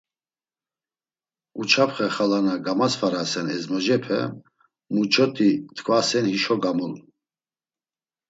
Uçapxe xala na gamasvarasen ezmocepe muç̌oti t̆ǩvasen hişo gamulun.